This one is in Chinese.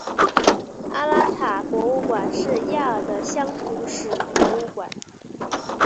阿拉坦博物馆是亚尔的乡土史博物馆。